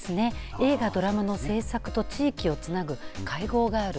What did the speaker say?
映画、ドラマの制作と地域をつなぐ会合がある。